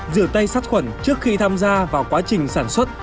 rửa tay sát khuẩn trước khi tham gia vào quá trình sản xuất